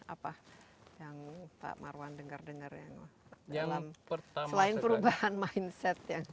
apa yang pak marwan dengar dengar yang dalam selain perubahan mindset yang